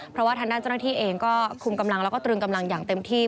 เพราะว่าทางด้านเจ้าหน้าที่เองก็คุมกำลังแล้วก็ตรึงกำลังอย่างเต็มที่